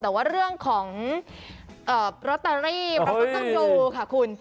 แต่ว่าเรื่องของลอตเตอรี่เราก็ต้องดูค่ะคุณ